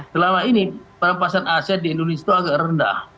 selama ini perampasan aset di indonesia itu agak rendah